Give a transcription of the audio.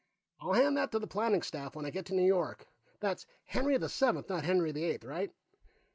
"I'll hand that to the planning staff when I get to New York. That's Henry the Seventh, not Henry the Eighth? Right.